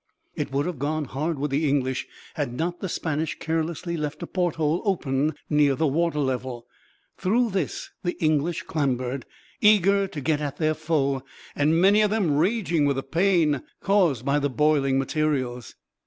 It would have gone hard with the English, had not the Spanish carelessly left a porthole open near the water level; through this the English clambered, eager to get at their foe, and many of them raging with the pain caused by the boiling materials.